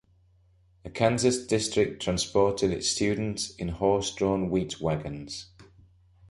A Kansas district transported its students in horse-drawn wheat wagons.